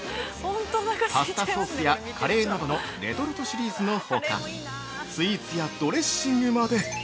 パスタソースやカレーなどのレトルトシリーズのほかスイーツやドレッシングまで。